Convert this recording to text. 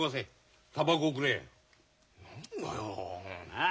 なあ。